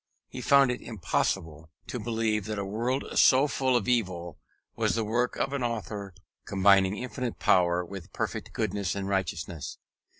He found it impossible to believe that a world so full of evil was the work of an Author combining infinite power with perfect goodness and righteousness.